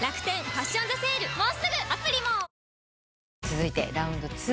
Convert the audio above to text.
続いてラウンド２。